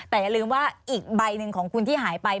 แต่อย่าลืมว่าอีกใบหนึ่งของคุณที่หายไป